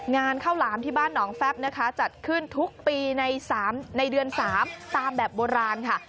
งานข้าวหลามที่บ้านหนองแฟบนะคะจัดขึ้นทุกปีในเดือน๓ตามแบบโบราณค่ะ